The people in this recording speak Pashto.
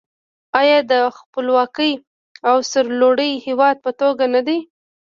آیا د یو خپلواک او سرلوړي هیواد په توګه نه دی؟